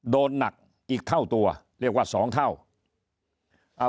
โดนหนักอีกเท่าตัวเรียกว่าสองเท่าอ่า